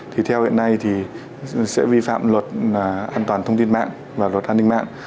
thì theo hiện nay thì sẽ vi phạm luật an toàn thông tin mạng và luật an ninh mạng